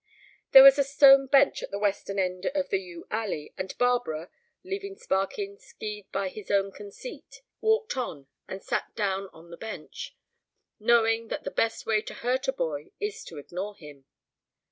There was a stone bench at the western end of the yew alley, and Barbara, leaving Sparkin skied by his own conceit, walked on and sat down on the bench, knowing that the best way to hurt a boy is to ignore him.